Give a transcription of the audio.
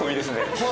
はい。